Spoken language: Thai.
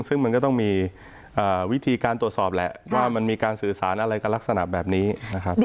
ซึ่งมันก็ต้องมีวิธีการตรวจสอบแหละว่ามันมีการสื่อสารอะไรกันลักษณะแบบนี้นะครับ